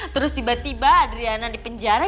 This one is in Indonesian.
terus tiba tiba adriana dipenjara